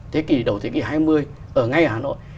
thế kỷ đầu thế kỷ hai mươi ở ngay hà nội